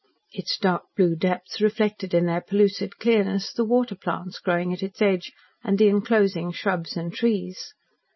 Its dark blue depths reflected in their pellucid clearness the water plants growing at its edge and the enclosing shrubs and trees.